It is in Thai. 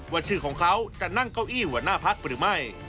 ชื่อของเขาจะนั่งเก้าอี้หัวหน้าพักหรือไม่